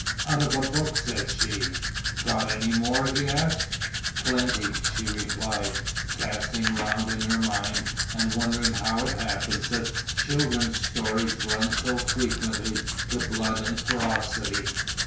"Out of a book," said she. "Got any more?" he asked. "Plenty," she replied casting round in her mind, and wondering how it happens that children's stories run so frequently to blood and ferocity.